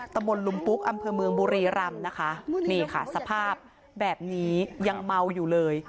ตะมนต์ลุมปุ๊กอำเภอเมืองบุรีรำสภาพแบบนี้ยังเมาอยู่เลย